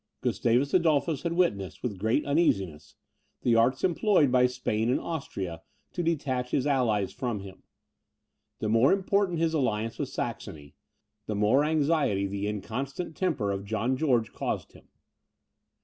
Gustavus Adolphus had witnessed, with great uneasiness, the arts employed by Spain and Austria to detach his allies from him. The more important his alliance with Saxony, the more anxiety the inconstant temper of John George caused him.